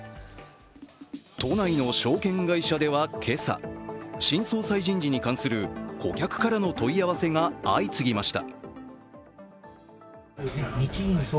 都内の証券会社では今朝、新総裁人事に関する顧客からの問い合わせが相次ぎました。